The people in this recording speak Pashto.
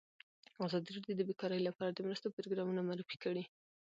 ازادي راډیو د بیکاري لپاره د مرستو پروګرامونه معرفي کړي.